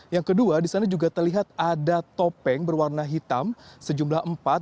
yang kedua di sana juga terlihat ada topeng berwarna hitam sejumlah empat